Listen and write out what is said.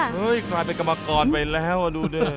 กลายเป็นกรรมกรไปแล้วดูดิ